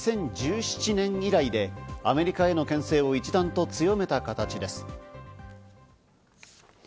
２０１７年以来で、アメリカへの牽制を一段と強めた形です。